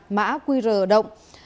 mã qr động